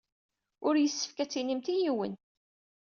Ur yessefk ad tinimt i yiwen.